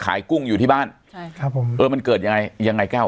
กุ้งอยู่ที่บ้านใช่ครับผมเออมันเกิดยังไงยังไงแก้ว